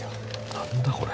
何だこれ。